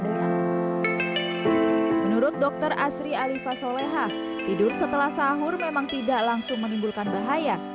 menurut dokter asri alifa soleha tidur setelah sahur memang tidak langsung menimbulkan bahaya